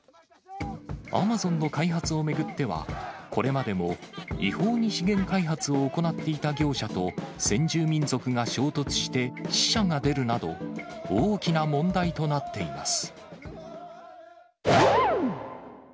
アマゾンの開発を巡っては、これまでも違法に資源開発を行っていた業者と先住民族が衝突して、死者が出るなど、大きな問題となっています。